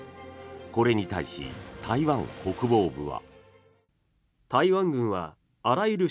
これに対し、台湾国防部は。